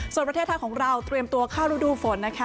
ส่วนประเทศไทยของเราเตรียมตัวเข้ารูดูฝนนะคะ